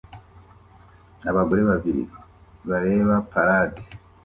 Abagore babiri bareba parade